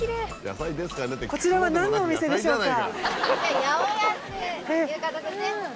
こちらは何のお店でしょうか？